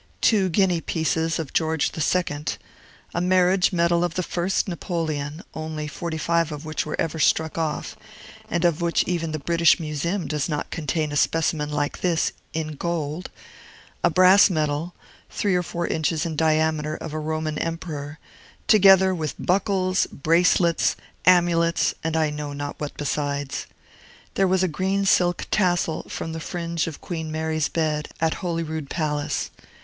two guinea pieces of George II.; a marriage medal of the first Napoleon, only forty five of which were ever struck off, and of which even the British Museum does not contain a specimen like this, in gold; a brass medal, three or four inches in diameter, of a Roman emperor; together with buckles, bracelets, amulets, and I know not what besides. There was a green silk tassel from the fringe of Queen Mary's bed at Holyrood Palace.